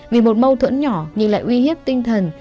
vì một mâu thuẫn nhỏ nhưng lại uy hiếp tinh thần